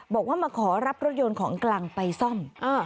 บอกว่ามาขอรับรถยนต์ของกลางไปซ่อม